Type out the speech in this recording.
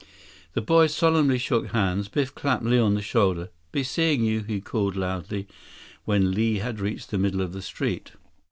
The boys solemnly shook hands. Biff clapped Li on the shoulder. "Be seeing you," he called loudly when Li had reached the middle of the street.